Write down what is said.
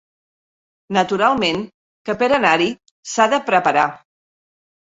Naturalment que per anar-hi s'ha de preparar